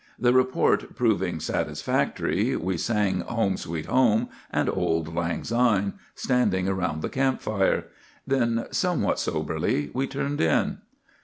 The report proving satisfactory, we sang "Home, Sweet Home" and "Auld Lang Syne," standing around the camp fire. Then, somewhat soberly, we turned in.